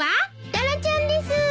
タラちゃんです。